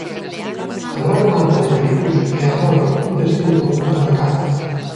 A gran manda de caribús é agora un destino popular da caza.